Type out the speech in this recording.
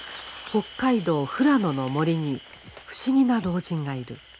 北海道富良野の森に不思議な老人がいる。